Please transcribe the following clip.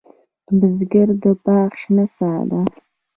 بزګر د باغ شنه سا ده